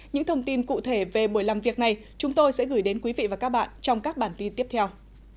những thông tin cụ thể về buổi làm việc này chúng tôi sẽ gửi đến quý vị và các bạn trong các bản tin tiếp theo